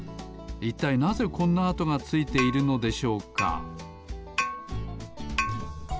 いったいなぜこんなあとがついているのでしょうか？